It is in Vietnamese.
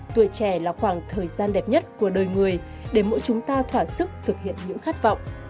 tuổi trẻ là khoảng thời gian đẹp nhất của đời người để mỗi chúng ta thỏa sức thực hiện những khát vọng